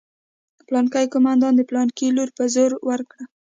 پلانکي قومندان د پلاني لور په زوره وکړه.